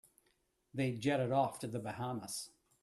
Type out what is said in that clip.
They jetted off to the Bahamas.